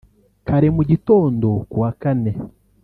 Kare mu gitondo ku wa kane